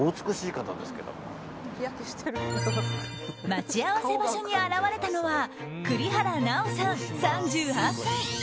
待ち合わせ場所に現れたのは栗原菜緒さん、３８歳。